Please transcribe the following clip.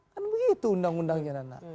kan begitu undang undangnya nana